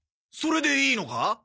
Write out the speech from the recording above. それでいいのか？